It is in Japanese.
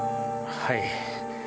はい。